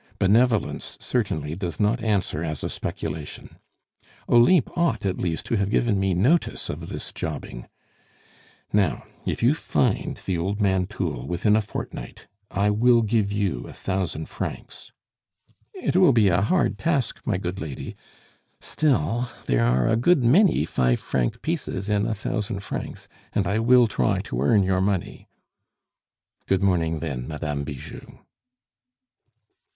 Benevolence certainly does not answer as a speculation! Olympe ought, at least, to have given me notice of this jobbing. Now, if you find the old man Thoul within a fortnight, I will give you a thousand francs." "It will be a hard task, my good lady; still, there are a good many five franc pieces in a thousand francs, and I will try to earn your money." "Good morning, then, Madame Bijou."